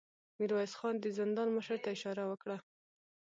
ميرويس خان د زندان مشر ته اشاره وکړه.